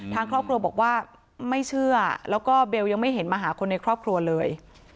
ทางครอบครัวบอกว่าไม่เชื่อแล้วก็เบลยังไม่เห็นมาหาคนในครอบครัวเลย